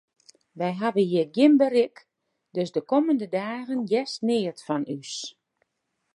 Wy hawwe hjir gjin berik, dus de kommende dagen hearst neat fan ús.